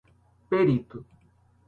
perito